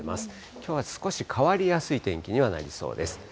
きょうは少し変わりやすい天気にはなりそうです。